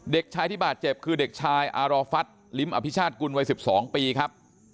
เด็กชายที่บาดเจ็บคือเด็กชายอารฟัฐลิ้มอภิชาติกุลวัย๑๒ปีครับ